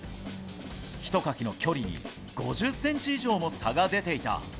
ひとかきの距離に５０ｃｍ以上も差が出ていた。